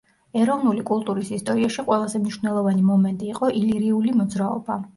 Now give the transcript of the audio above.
ეროვნული კულტურის ისტორიაში ყველაზე მნიშვნელოვანი მომენტი იყო ილირიული მოძრაობა.